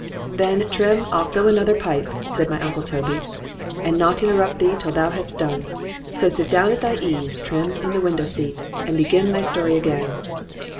—Then, Trim, I'll fill another pipe, said my uncle Toby, and not interrupt thee till thou hast done; so sit down at thy ease, Trim, in the window seat, and begin thy story again.